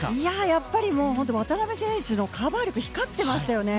やっぱり渡辺選手のカバー力が光っていましたね。